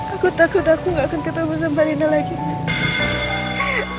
aku takut aku gak akan ketemu sama rina lagi